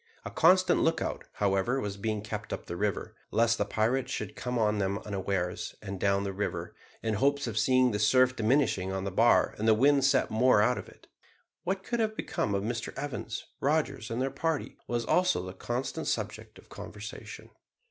A constant lookout, however, was kept up the river, lest the pirates should come on them unawares, and down the river, in the hopes of seeing the surf diminishing on the bar and the wind set more out of it. What could have become of Mr Evans, Rogers, and their party, was also the constant subject of conversation.